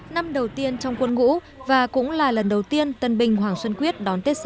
năm đầu tiên trong quân ngũ và cũng là lần đầu tiên tân binh hoàng xuân quyết đón tết xa